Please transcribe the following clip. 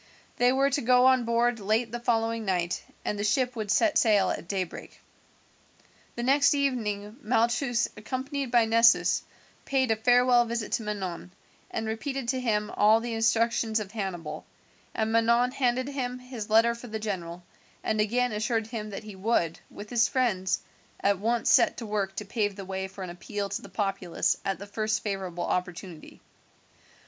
They were to go on board late the following night, and the ship would set sail at daybreak. The next evening Malchus accompanied by Nessus paid a farewell visit to Manon, and repeated to him all the instructions of Hannibal, and Manon handed him his letter for the general, and again assured him that he would, with his friends, at once set to work to pave the way for an appeal to the populace at the first favourable opportunity.